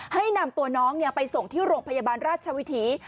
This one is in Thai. ให้นำตัวน้องไปส่งที่โรงพยาบาลราชวิถี